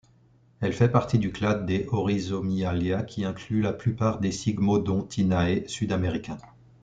Elle fait partie du clade des Oryzomyalia, qui inclut la plupart des Sigmodontinae sud-américains.